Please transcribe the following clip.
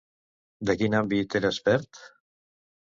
De quin àmbit era expert?